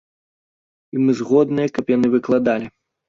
І мы згодныя, каб яны выкладалі.